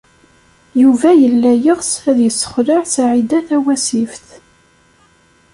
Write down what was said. Yuba yella yeɣs ad yessexleɛ Saɛida Tawasift.